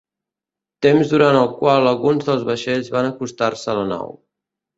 Temps durant el qual alguns dels vaixells van acostar-se a la nau.